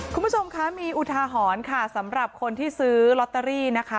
คุณผู้ชมคะมีอุทาหรณ์ค่ะสำหรับคนที่ซื้อลอตเตอรี่นะคะ